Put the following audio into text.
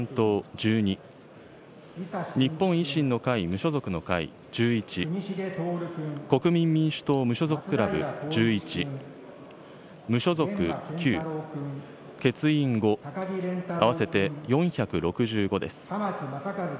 １１、国民民主党・無所属クラブ１１、無所属９、欠員５、合わせて４６５です。